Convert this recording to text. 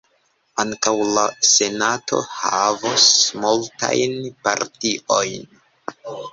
Ankaŭ la Senato havos multajn partiojn.